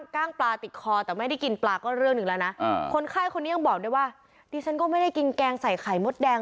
คนไข้คนนี้ยังบอกได้ว่าดิฉันก็ไม่ได้กินแกงใส่ไข่มดแดง